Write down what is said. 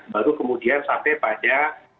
baru kemudian sampai pada